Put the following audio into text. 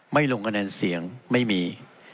ลงคะแนนเสียงไม่มี